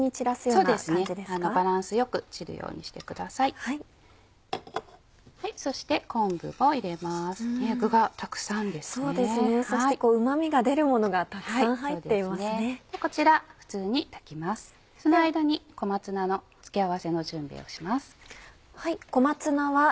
その間に小松菜の付け合わせの準備をします。